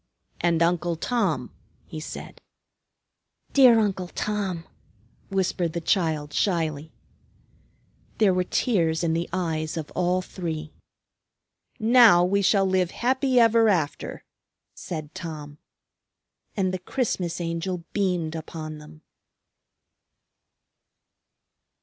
"And Uncle Tom," he said. "Dear Uncle Tom!" whispered the child shyly. There were tears in the eyes of all three. "Now we shall live happy ever after," said Tom. And the Christmas Angel beamed upon them.